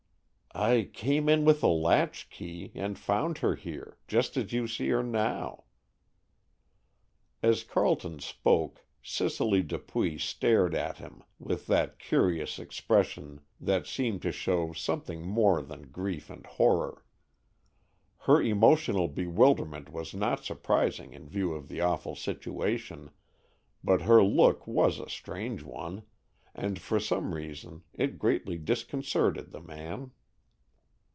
"I came in with a latch key, and found her here, just as you see her now." As Carleton spoke Cicely Dupuy stared at him with that curious expression that seemed to show something more than grief and horror. Her emotional bewilderment was not surprising in view of the awful situation, but her look was a strange one, and for some reason it greatly disconcerted the man.